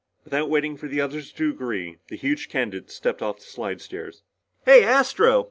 Without waiting for the others to agree, the huge candidate stepped off the slidestairs. "Hey, Astro!"